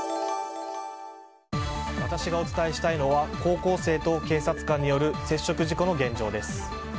私がお伝えしたいのは高校生と警察官による接触事故の現状です。